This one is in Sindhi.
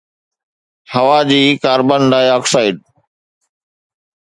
هوا جي ڪاربان ڊاءِ آڪسائيڊ